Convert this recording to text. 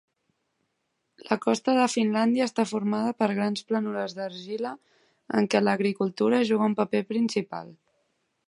La costa de Finlàndia està formada per grans planures d'argila en què l'agricultura juga un paper principal.